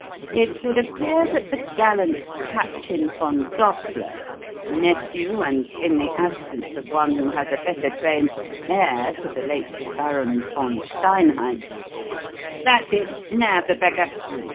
"It would appear that the gallant Captain von Gossler, nephew, and, in the absence of one who has a better claim, heir to the late Baron von Steinheid That's it, nab the beggar.